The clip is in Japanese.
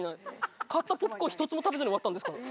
買ったポップコーン１つも食べずに終わったんですから。